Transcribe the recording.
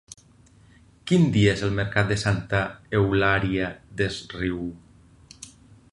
Quin dia és el mercat de Santa Eulària des Riu?